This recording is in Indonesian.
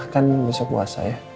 kan besok puasa ya